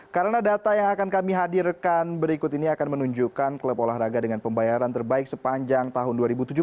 karena data yang akan kami hadirkan berikut ini akan menunjukkan klub olahraga dengan pembayaran terbaik sepanjang tahun dua ribu tujuh belas